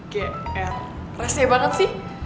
geer rasanya banget sih